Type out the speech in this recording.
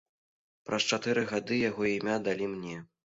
Праз чатыры гады яго імя далі мне.